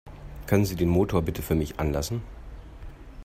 Können Sie den Motor bitte für mich anlassen?